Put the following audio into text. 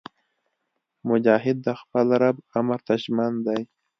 مجاهد د خپل رب امر ته ژمن دی.